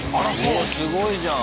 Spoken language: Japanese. おすごいじゃん。